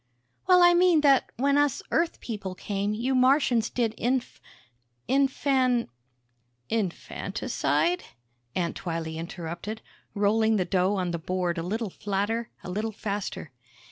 "Well, I mean, that when us Earth people came, you Martians did inf ... infan ..." "Infanticide?" Aunt Twylee interrupted, rolling the dough on the board a little flatter, a little faster.